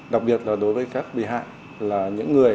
đặc biệt là đối với các bị hại là những người